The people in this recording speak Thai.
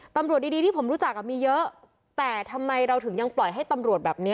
ตำรวจดีดีที่ผมรู้จักอ่ะมีเยอะแต่ทำไมเราถึงยังปล่อยให้ตำรวจแบบนี้